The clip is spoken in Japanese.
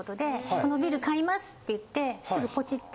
このビル買いますって言ってすぐポチッて。